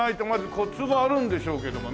コツがあるんでしょうけどもね。